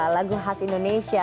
lagu khas indonesia